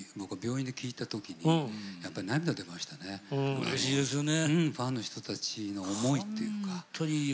うれしいですよね。